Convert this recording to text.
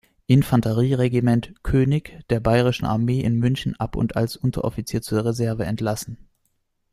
Infanterie-Regiment „König“ der Bayerischen Armee in München ab und als Unteroffizier zur Reserve entlassen.